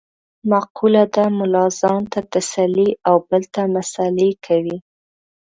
مقوله ده : ملا ځان ته تسلې او بل ته مسعلې کوي.